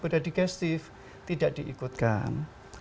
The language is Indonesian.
pada dikasih tidak diikutkan